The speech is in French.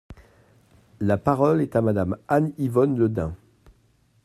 La parole est à Madame Anne-Yvonne Le Dain.